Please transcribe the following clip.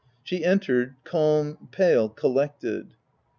She entered, calm, pale, collected.